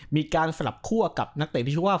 มีการสลับคั่วกับนักเตะที่ชื่อว่า